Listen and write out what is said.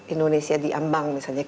indonesia diambang misalnya